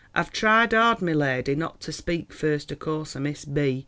I've tried hard, my ladi, not to speek, first acorse of miss B.